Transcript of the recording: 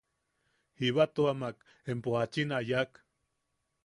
“Jiba tua mak empo jachin a yak”.